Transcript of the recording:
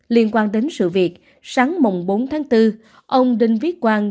liên quan đến sự việc sáng bốn tháng bốn ông đinh viết quang